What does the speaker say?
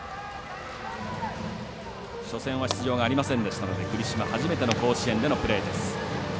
初戦は出場がありませんでしたので栗島初めての甲子園でのプレーです。